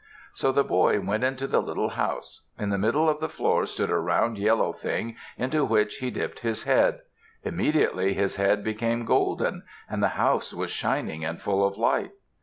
So the boy went into the little house. In the middle of the floor stood a round yellow thing into which he dipped his head. Immediately his head became golden and the house was shining and full of light.